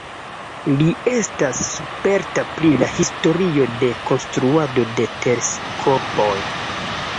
Li estas sperta pri la historio de konstruado de teleskopoj.